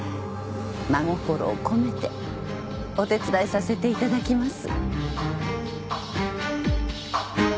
真心を込めてお手伝いさせていただきます。